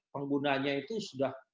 penggunanya itu sudah